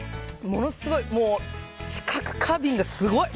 ものすごい。